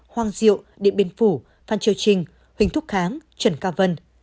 hoàng diệu điện biên phủ phan châu trinh huỳnh thúc kháng trần cao vân